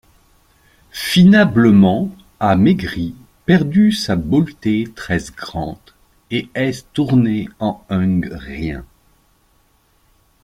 Finablement, ha maigry, perdu sa beaulté trez grant, et est tournée en ung rien.